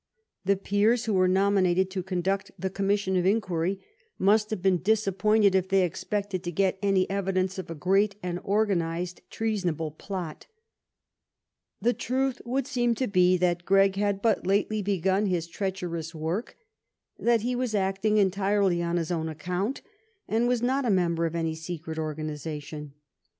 The peers who were nominated to conduct the commission of inquiry must have been disappointed if they ex pected to get any evidence of a great and organized treasonable plot. The truth would seem to be that Gregg had but lately begun his treacherous work, that he was acting entirely on his own account, and was not a member of any secret organization.